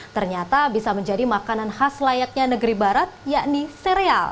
ternyata bisa menjadi makanan khas layaknya negeri barat yakni sereal